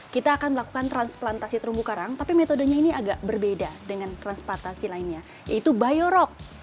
kita akan melakukan transplantasi terumbu karang tapi metodenya ini agak berbeda dengan transportasi lainnya yaitu biorog